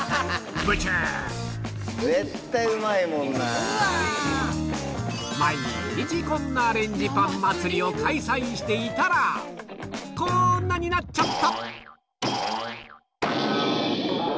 そこに毎日こんなアレンジパン祭りを開催していたらこんなになっちゃった！